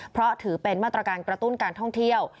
เพราะถือเป็นมาตรการกระตุ้นการท่องเที่ยว